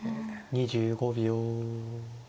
２５秒。